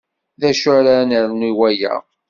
D acu ara ad nernu i waya?